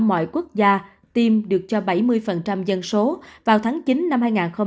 mọi quốc gia tiêm được cho bảy mươi dân số vào tháng chín năm hai nghìn hai mươi